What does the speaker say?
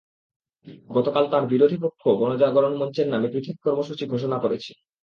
গতকাল তাঁর বিরোধী পক্ষ গণজাগরণ মঞ্চের নামে পৃথক কর্মসূচি ঘোষণা করেছে।